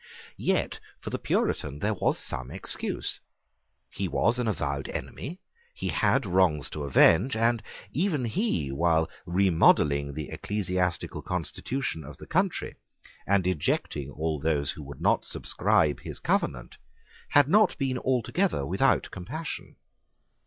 Yet for the Puritan there was some excuse. He was an avowed enemy: he had wrongs to avenge; and even he, while remodelling the ecclesiastical constitution of the country, and ejecting all who would not subscribe his Covenant, had not been altogether without compassion.